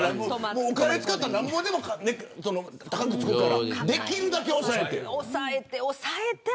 お金使ったらなんぼでも高くつくからできるだけ抑えて。